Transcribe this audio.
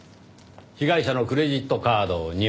被害者のクレジットカード２枚。